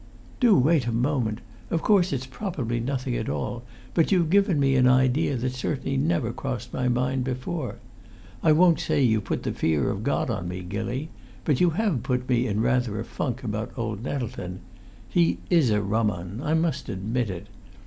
"Do wait a moment! Of course it's probably nothing at all; but you've given me an idea that certainly never crossed my mind before. I won't say you've put the fear of God on me, Gilly, but you have put me in rather a funk about old Nettleton! He is a rum 'un I must admit it.